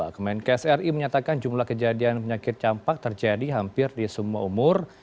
kemenkes ri menyatakan jumlah kejadian penyakit campak terjadi hampir di semua umur